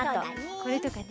これとかね。